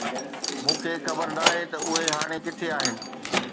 مون کي خبر ناهي ته اهي هاڻي ڪٿي آهن.